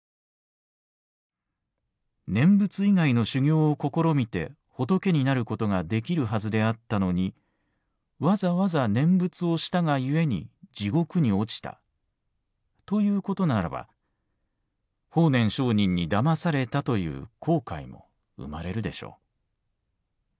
「念仏以外の修行を試みて仏になることができるはずであったのにわざわざ念仏をしたがゆえに地獄に堕ちたということならば法然上人にだまされたという後悔も生まれるでしょう。